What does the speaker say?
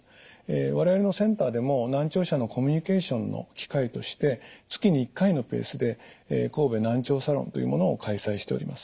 我々のセンターでも難聴者のコミュニケーションの機会として月に１回のペースで神戸難聴サロンというものを開催しております。